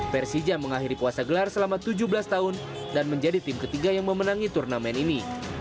persija mengakhiri puasa gelar selama tujuh belas tahun dan menjadi tim ketiga yang memenangi turnamen ini